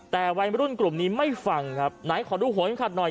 แต่วัยรุ่นกลุ่มนี้ไม่ฟังครับไหนขอดูโหนขัดหน่อย